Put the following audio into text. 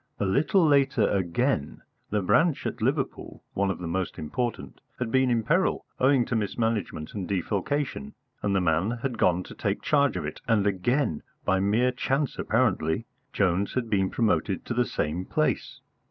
A little later, again, the branch at Liverpool, one of the most important, had been in peril owing to mismanagement and defalcation, and the man had gone to take charge of it, and again, by mere chance apparently, Jones had been promoted to the same place.